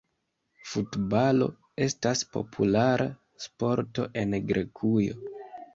Futbalo estas populara sporto en Grekujo.